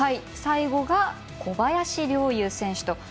最後が小林陵侑選手と。